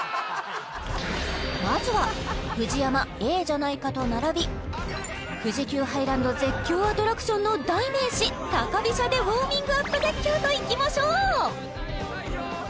まずはＦＵＪＩＹＡＭＡええじゃないかと並び富士急ハイランド絶叫アトラクションの代名詞高飛車でウォーミングアップ絶叫といきましょう！